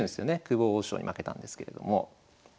久保王将に負けたんですけれども。